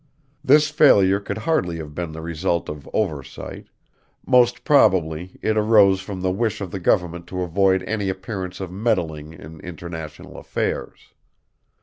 This failure could hardly have been the result of oversight; most probably it arose from the wish of the government to avoid any appearance of meddling in international affairs.